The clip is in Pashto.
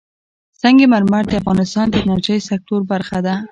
سنگ مرمر د افغانستان د انرژۍ سکتور برخه ده.